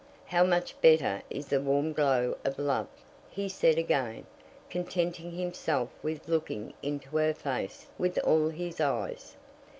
"How much better is the warm glow of love?" he said again, contenting himself with looking into her face with all his eyes.